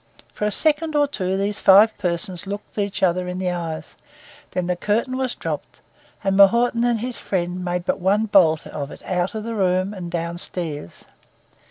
For a second or so these five persons looked each other in the eyes, then the curtain was dropped, and M'Naughten and his friend made but one bolt of it out of the room and downstairs.